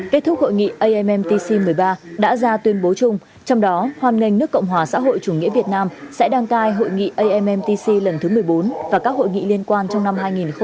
kết thúc hội nghị ammtc một mươi ba đã ra tuyên bố chung trong đó hoan nghênh nước cộng hòa xã hội chủ nghĩa việt nam sẽ đăng cai hội nghị ammtc lần thứ một mươi bốn và các hội nghị liên quan trong năm hai nghìn hai mươi